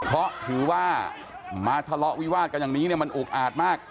เพราะถือว่ามาทะเลาะวิวาดกันอย่างนี้เนี่ยมันอุกอาดมาก